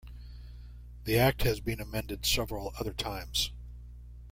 The Act has been amended several other times.